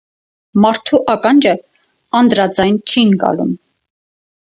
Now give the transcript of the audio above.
Մարդու ականջը անդրաձայն չի ընկալում։